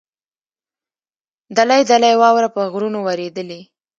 دلۍ دلۍ واوره په غرونو ورېدلې.